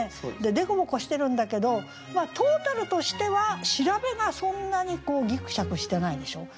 凸凹してるんだけどトータルとしては調べがそんなにこうギクシャクしてないでしょう。